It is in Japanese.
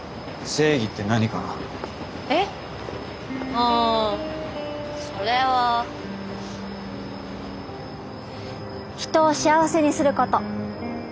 うんそれは人を幸せにすること。